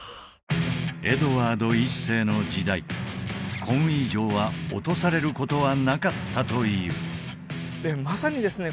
エドワード１世の時代コンウィ城は落とされることはなかったというでまさにですね